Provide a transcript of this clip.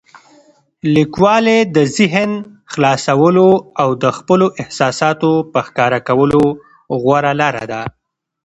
لیکوالی د ذهن خلاصولو او د خپلو احساساتو په ښکاره کولو غوره لاره ده.